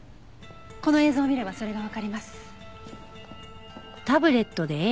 この映像を見ればそれがわかります。